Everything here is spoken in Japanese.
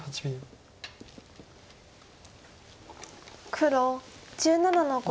黒１７の五。